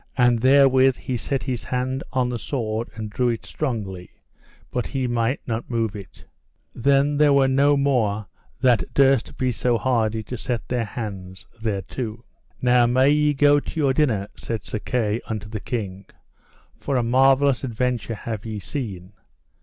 And therewith he set his hand on the sword and drew it strongly, but he might not move it. Then were there no more that durst be so hardy to set their hands thereto. Now may ye go to your dinner, said Sir Kay unto the king, for a marvellous adventure have ye seen.